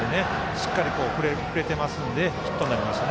しっかり振れてますのでヒットになりました。